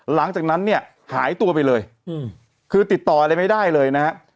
หลังจากนั้นเนี่ยหายตัวไปเลยคือติดต่ออะไรไม่ได้เลยนะฮะ